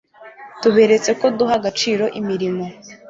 tuberetse ko duha agaciro imirimo